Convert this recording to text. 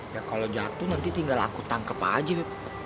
ya kalau jatuh nanti tinggal aku tangkep aja